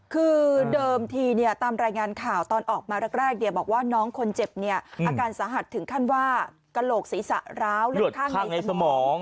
คือเดิมทีตามรายงานข่าวตอนออกมาแรกบอกว่าน้องคนเจ็บเนี่ยอาการสาหัสถึงขั้นว่ากระโหลกศีรษะร้าวเลือดข้างในสมอง